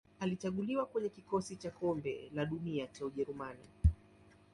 Alichaguliwa kwenye kikosi cha Kombe la Dunia cha Ujerumani.